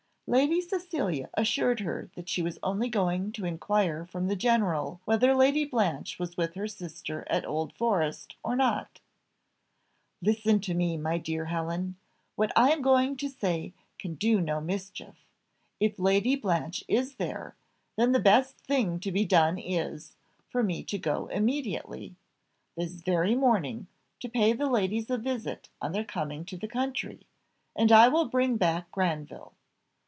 Lady Cecilia assured her that she was only going to inquire from the general whether Lady Blanche was with her sister at Old Forest, or not. "Listen to me, my dear Helen; what I am going to say can do no mischief. If Lady Blanche is there, then the best thing to be done is, for me to go immediately, this very morning, to pay the ladies a visit on their coming to the country, and I will bring back Granville.